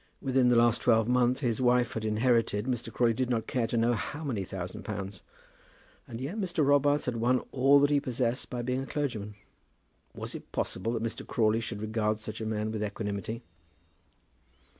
Within the last twelvemonth his wife had inherited Mr. Crawley did not care to know how many thousand pounds. And yet Mr. Robarts had won all that he possessed by being a clergyman. Was it possible that Mr. Crawley should regard such a man with equanimity?